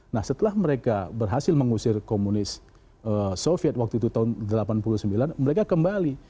nah setelah mereka berhasil mengusir komunis soviet waktu itu tahun seribu sembilan ratus delapan puluh sembilan mereka kembali